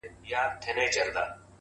اوس لا د گرانښت څو ټكي پـاتــه دي ـ